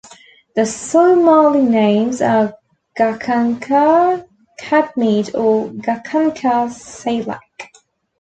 The Somali names are Gacanka Cadmeed or Gacanka Saylac.